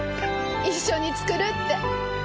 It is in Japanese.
一緒に作るって。